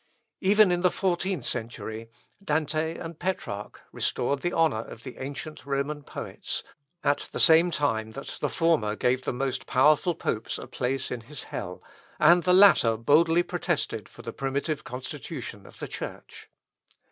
Even in the fourteenth century, Dante and Petrarch restored the honour of the ancient Roman poets, at the same time that the former gave the most powerful popes a place in his hell, and the latter boldly protested for the primitive constitution of the Church.